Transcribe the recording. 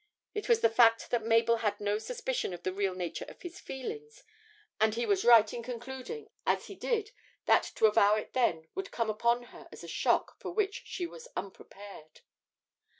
It was the fact that Mabel had no suspicion of the real nature of his feelings, and he was right in concluding as he did that to avow it then would come upon her as a shock for which she was unprepared.